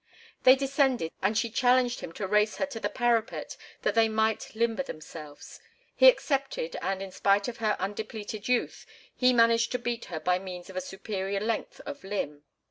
They descended, and she challenged him to race her to the parapet that they might limber themselves. He accepted, and, in spite of her undepleted youth, he managed to beat by means of a superior length of limb.